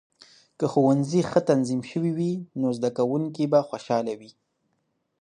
که ښوونځي ښه تنظیم شوي وي، نو زده کونکې به خوشاله وي.